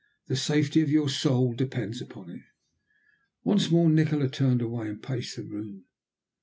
"The safety of your soul depends upon it." Once more Nikola turned away and paced the room.